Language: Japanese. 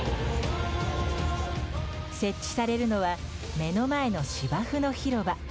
設置されるのは目の前の芝生の広場。